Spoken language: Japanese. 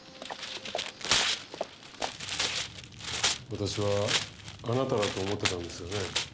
私はあなただと思ってたんですがね。